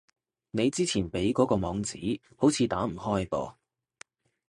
你之前畀嗰個網址，好似打唔開噃